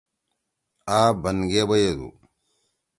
آ بن گے بیَدو۔